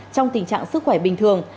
trong tình trạng sức khỏe bình thường